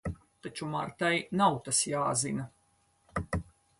Taču Martai nav tas jāzina.